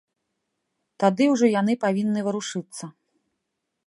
Тады ўжо яны павінны варушыцца.